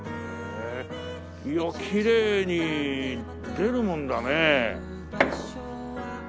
いやあきれいに出るもんだねえ。